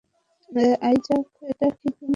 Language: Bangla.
আইজাক -এটা কি তুমিই?